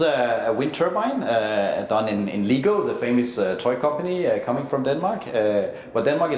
ya ini adalah turbinan udara yang dilakukan di ligo perusahaan mainan yang terkenal dari denmark